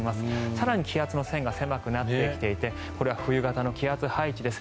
更に気圧の線が狭くなってきていてこれは冬型の気圧配置です。